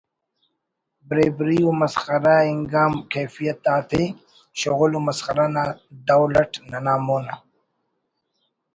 بریبر ی و مسخرہ انگا کیفیت آتے شغل و مسخرہ نا ڈول اٹ ننا مون